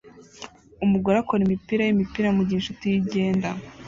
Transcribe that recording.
Umugore akora imipira yimipira mugihe inshuti ye igenda!